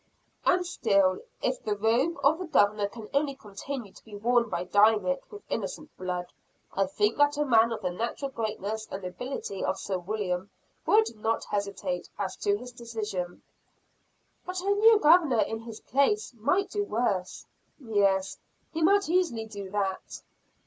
"And still, if the robe of the Governor can only continue to be worn by dyeing it with innocent blood, I think that a man of the natural greatness and nobility of Sir William, would not hesitate as to his decision." "But a new Governor in his place might do worse." "Yes, he might easily do that."